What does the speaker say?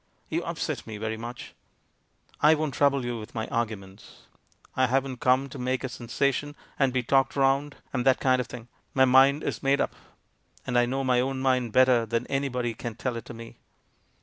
"You upset me very much." "I won't trouble you with my arguments; I haven't come to make a sensation, and be talked round, and that kind of thing. My mind is made up, and I know my own mind better than any body can tell it to me.